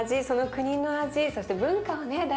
その国の味そして文化をね